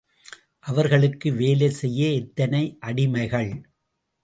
அவர்களுக்கு வேலை செய்ய எத்தனை அடிமைகள்.